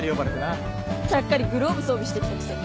ちゃっかりグローブ装備してきたくせに。